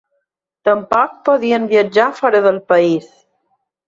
Tampoc podien viatjar fora del país.